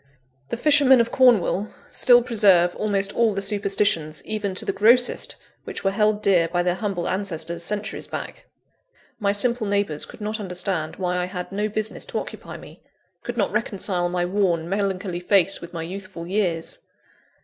The fishermen of Cornwall still preserve almost all the superstitions, even to the grossest, which were held dear by their humble ancestors, centuries back. My simple neighbours could not understand why I had no business to occupy me; could not reconcile my worn, melancholy face with my youthful years.